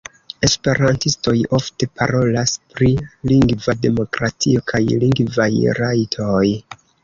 Esperantistoj ofte parolas pri lingva demokratio kaj lingvaj rajtoj.